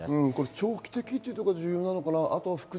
長期的というところが重要なのかな。